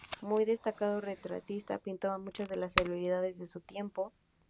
Muy destacado retratista, pintó a muchas de las celebridades de su tiempo.